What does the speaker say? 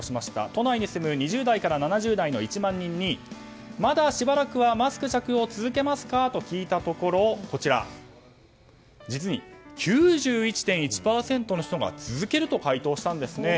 都内に住む２０代から７０代の１万人にまだしばらくはマスク着用続けますか？と聞いたところ実に９１．１％の人が続けると回答したんです。